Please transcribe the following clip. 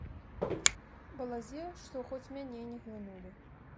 Балазе што хоць мяне не глынулі.